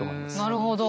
なるほど。